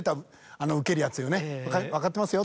分かってますよ！